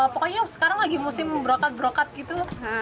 pokoknya sekarang lagi musim brokat brokat gitu